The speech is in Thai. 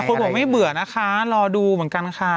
คนบอกไม่เบื่อนะคะรอดูเหมือนกันค่ะ